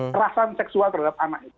kerasan seksual terhadap anak itu